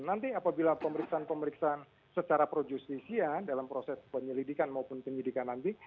nanti apabila pemeriksaan pemeriksaan secara projustisia dalam proses penyelidikan maupun penyelidikan nanti